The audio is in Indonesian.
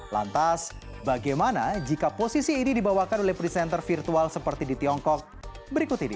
lantas bagaimana jika posisi ini dibawakan oleh presenter virtual seperti di tiongkok berikut ini